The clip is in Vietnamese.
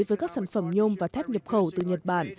với các sản phẩm nhôm và thép nhập khẩu từ nhật bản